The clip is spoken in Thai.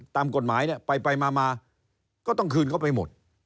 ตามกฎหมายเนี่ยไปมาก็ต้องคืนเข้าไปหมด